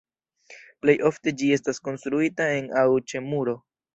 Plej ofte ĝi estas konstruita en aŭ ĉe muro.